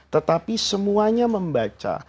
tetapi semuanya membaca